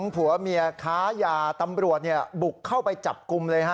ผัวเมียค้ายาตำรวจบุกเข้าไปจับกลุ่มเลยฮะ